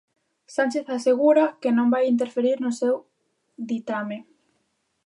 Sánchez asegura que non vai interferir no seu ditame.